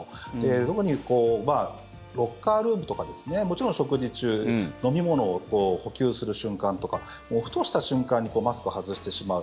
特にロッカールームとかもちろん食事中飲み物を補給する瞬間とかふとした瞬間にマスクを外してしまう。